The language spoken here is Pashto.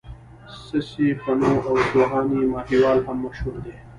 سسي پنو او سوهني ماهيوال هم مشهور دي.